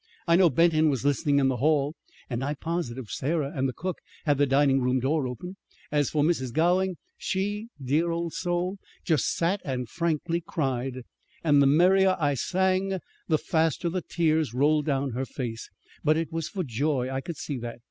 I know Benton was listening in the hall, and I'm positive Sarah and the cook had the dining room door open. As for Mrs. Gowing, she dear old soul just sat and frankly cried. And the merrier I sang, the faster the tears rolled down her face but it was for joy. I could see that.